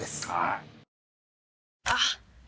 あっ！